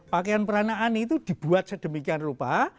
pakaian peranaan itu dibuat sedemikian rupa